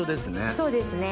そうですね。